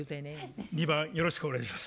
２番よろしくお願いします。